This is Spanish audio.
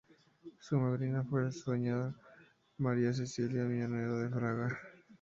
Su madrina fue la señora María Celia Villanueva de Fraga.